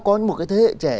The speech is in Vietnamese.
có một cái thế hệ trẻ